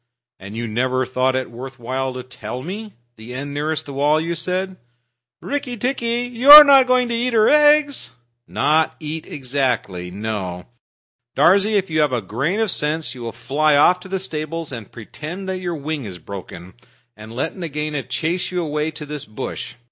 "And you never thought it worth while to tell me? The end nearest the wall, you said?" "Rikki tikki, you are not going to eat her eggs?" "Not eat exactly; no. Darzee, if you have a grain of sense you will fly off to the stables and pretend that your wing is broken, and let Nagaina chase you away to this bush.